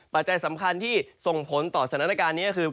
ปัจจัยสำคัญที่ส่งผลต่อสถานการณ์นี้ก็คือ